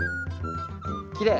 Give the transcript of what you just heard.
きれい。